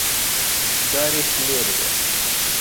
دارێک لێرەیە.